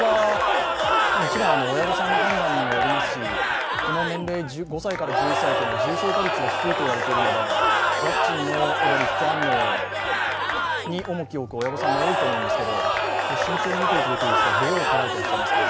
親御さんの感覚ですが、この年齢、５歳から１１歳、重症化率が低いと言われていますのでワクチンの副反応に重きを置く親御さんも多いと思うんですが、慎重に見ていくべきでですが、どう捉えていますか。